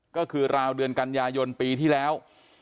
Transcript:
ก็คือราวเดือนกันยายนปีที่แล้ว